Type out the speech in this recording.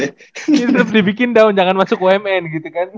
iya tetep dibikin down jangan masuk omn gitu kan